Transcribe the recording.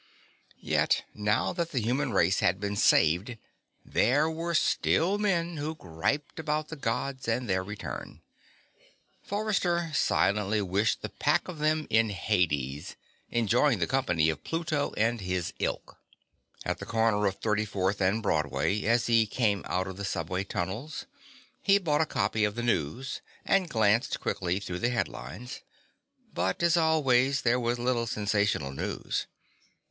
Yet now that the human race had been saved, there were still men who griped about the Gods and their return. Forrester silently wished the pack of them in Hades, enjoying the company of Pluto and his ilk. At the corner of 34th and Broadway, as he came out of the subway tunnels, he bought a copy of the News and glanced quickly through the headlines. But, as always, there was little sensational news.